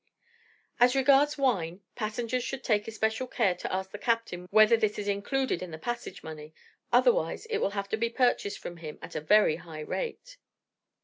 As regards wine, passengers should take especial care to ask the captain whether this is included in the passage money, otherwise it will have to be purchased from him at a very high rate.